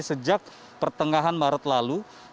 sejak pertengahan maret lalu